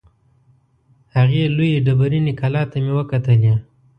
هغې لویې ډبریني کلا ته مې وکتلې.